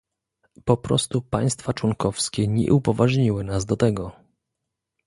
Po prostu państwa członkowskie nie upoważniły nas do tego